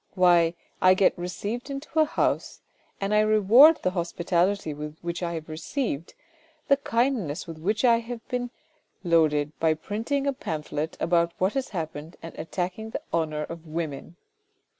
Why ! I get received into a house, and I reward the hospitality which I have received, the kindness with which I have been loaded by printing a pamphlet about what has happened and attacking the honour of women